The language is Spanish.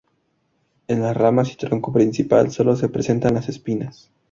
En las ramas y tronco principal sólo se presentan las espinas.